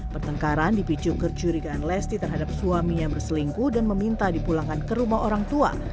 pertengkaran dipicu kecurigaan lesti terhadap suaminya berselingkuh dan meminta dipulangkan ke rumah orang tua